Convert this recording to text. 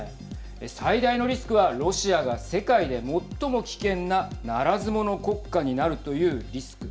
最大のリスクは、ロシアが世界で最も危険な、ならず者国家になるというリスク。